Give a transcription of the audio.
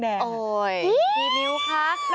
กี่มิ้วคะ